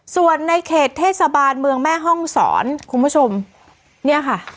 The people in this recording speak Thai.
ส่วนในเขตเทศบาลเมืองแม่ห้องศรคุณผู้ชมเนี่ยค่ะ